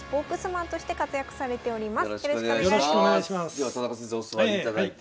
では田中先生お座りいただいて。